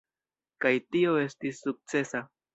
Kaj tio estis sukcesa.